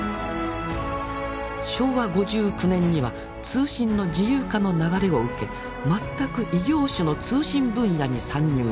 昭和５９年には通信の自由化の流れを受け全く異業種の通信分野に参入。